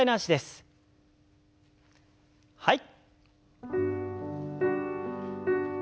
はい。